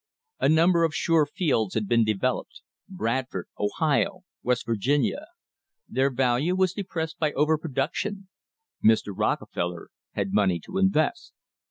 A number of sure fields had been developed Bradford, Ohio, West Virginia. Their value was depressed by over production. Mr. Rockefeller had money to invest.